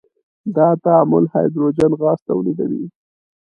دا تعامل هایدروجن غاز تولیدوي.